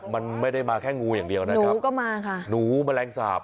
มันไม่ได้มาแค่งูอย่างเดียวนะครับงูก็มาค่ะหนูแมลงสาป